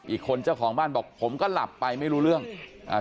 อีกคนเจ้าของบ้านบอกผมก็หลับไปไม่รู้เรื่องอ่า